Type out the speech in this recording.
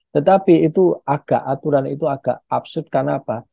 tetapi itu agak aturan itu agak absurd karena apa